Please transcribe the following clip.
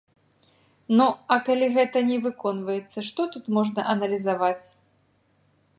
Ну, а калі гэта не выконваецца, што тут можна аналізаваць?